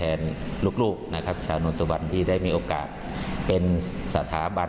พี่น้องก็จะรับโลยตามพี่ลิซ่าซึ่งโด่งดังระดับโลก